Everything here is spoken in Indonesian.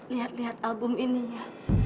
lihat lihat album ini ya